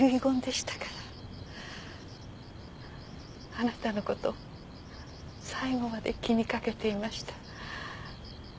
あなたの事最期まで気にかけていました。